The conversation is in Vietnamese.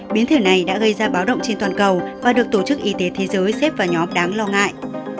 biến thể này đã gây ra báo động trên toàn cầu và được tổ chức y tế thế giới xếp vào nhóm đáng lo ngại